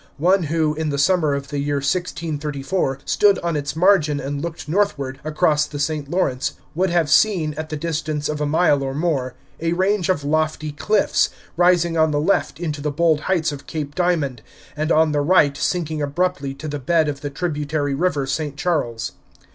One who, in the summer of the year 1634, stood on its margin and looked northward, across the St. Lawrence, would have seen, at the distance of a mile or more, a range of lofty cliffs, rising on the left into the bold heights of Cape Diamond, and on the right sinking abruptly to the bed of the tributary river St. Charles.